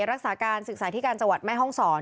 รักษาการศึกษาที่การจังหวัดแม่ห้องศร